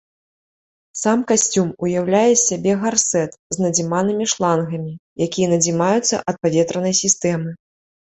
Сам касцюм ўяўляе з сябе гарсэт з надзіманымі шлангамі, якія надзімаюцца ад паветранай сістэмы.